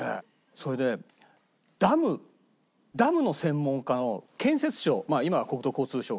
それねダムダムの専門家の建設省今は国土交通省か。